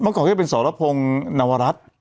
เมื่อก่อนก็เป็นสรพงศ์นวรัสตร์